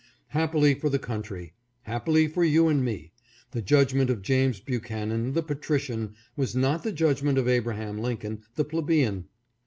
Happily for the country, happily for you and for me, the judgment of James Buchanan, the patrician, was not the judgment of Abraham Lincoln, the plebeian.